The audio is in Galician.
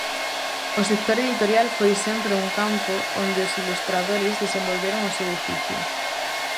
O sector editorial foi sempre un campo onde os ilustradores desenvolveron o seu oficio.